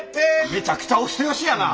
めちゃくちゃお人よしやな。